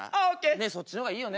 ねえそっちの方がいいよね。